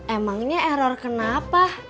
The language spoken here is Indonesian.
emangnya error kenapa